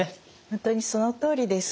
本当にそのとおりです。